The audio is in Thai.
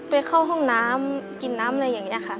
เข้าห้องน้ำกินน้ำอะไรอย่างนี้ค่ะ